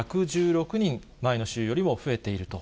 １１６人、前の週よりも増えていると。